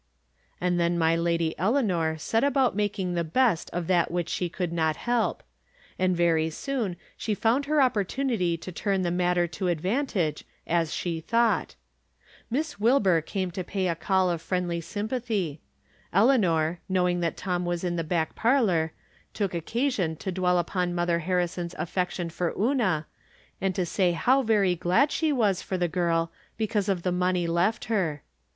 And then my Lady Eleanor set about making the best of that which she could not help ; and very soon she found her opportunity to tui n the matter to advantage, as she thought. Miss Wil bur came to pay a call of friendly sympathy. Eleanor, knowing that Tom was in the back par lor, took occasion to dwell upon Mother Harri son's affection for Una, and to say how very glad she was for the girl because of the money left her.